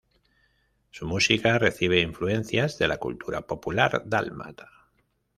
Su música recibe influencias de la cultura popular dálmata.